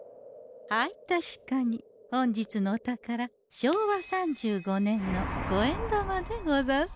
はい確かに本日のお宝昭和３５年の五円玉でござんす。